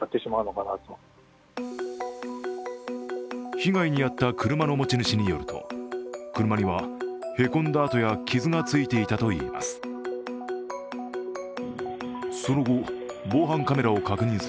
被害に遭った車の持ち主によると車にはへこんだ跡や傷がついていたといいます。